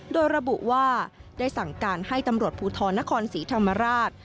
โดยระบุว่าได้สั่งการให้ตำรวจภูทรนครศรีธรรมราช